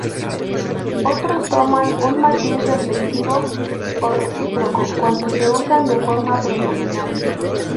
Otros toman un matiz reflexivo o recíproco cuando se usan de forma pronominal.